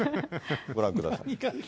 ご覧ください。